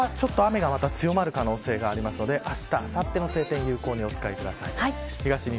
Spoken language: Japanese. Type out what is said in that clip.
ここはちょっと雨が強まる可能性があるのであした、あさっての晴天を有効にお使いください。